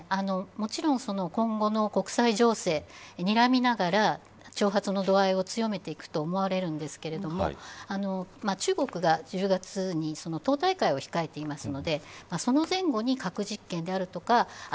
もちろん今後の国際情勢をにらみながら挑発の度合いを強めていくと思うんですけど中国が１０月に党大会を控えているのでその前後に核実験であるとかＩＣＢＭ